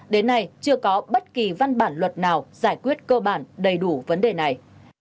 đến nay chưa có bất kỳ văn bản luật nào giải quyết cơ bản đầy đủ vấn đề này